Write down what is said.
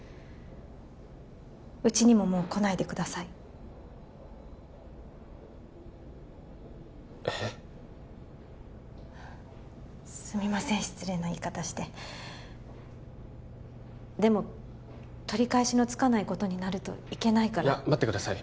うちにももう来ないでくださいえっすみません失礼な言い方してでも取り返しのつかないことになるといけないからいや待ってください